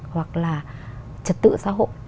hoặc là trật tự xã hội